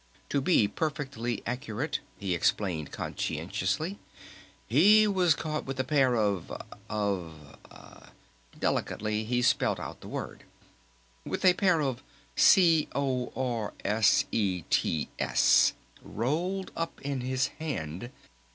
"To be perfectly accurate," he explained conscientiously, "he was caught with a pair of of " Delicately he spelt out the word. "With a pair of c o r s e t s rolled up in his hand.